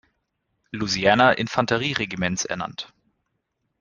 Louisiana-Infanterie-Regiments ernannt.